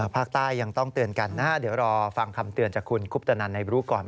ภาคใต้ยังต้องเตือนกันนะฮะเดี๋ยวรอฟังคำเตือนจากคุณคุปตนันในรู้ก่อน